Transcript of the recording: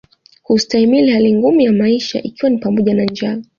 Kustahimili hali ngumu ya maisha ikiwa ni pamoja na njaa